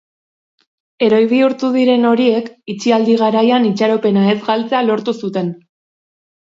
Heroi bihurtu diren horiek itxialdi garaian itxaropena ez galtzea lortu zuten.